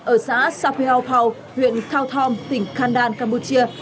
ở xã sa phi hau pau huyện thao thom tỉnh khanh đan campuchia